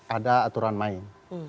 ada aturan lain